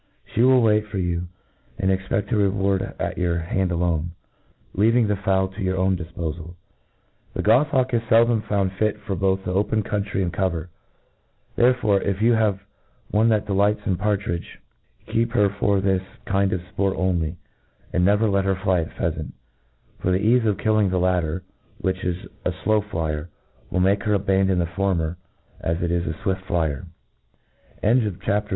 3h^ will wait fpr you, and exped her reward at your hand alone, kaving the fowl to your owii difpofal. The goshawk is feldom i&>unjd fit for both the ppcn coimtry and cover; therefore, if you have one that delights in partridge, keep her for this kind of fport only, and never let her, fly at phear lant ; for the eafe of killing the latter, which i$ a flow flyer, will make her abandon the formert ^ it is a fvidft flyer.